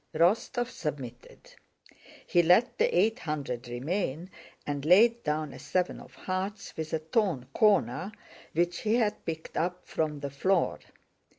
Rostóv submitted. He let the eight hundred remain and laid down a seven of hearts with a torn corner, which he had picked up from the floor.